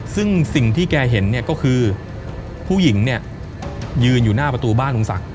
ซึ่งสิ่งที่แกเห็นเนี่ยก็คือผู้หญิงเนี่ยยืนอยู่หน้าประตูบ้านลุงศักดิ